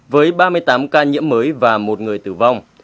với ba mươi tám ca nhiễm mới và một người tử vong